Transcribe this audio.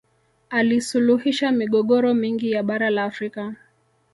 alisuluhisha migogoro mingi ya bara la afrika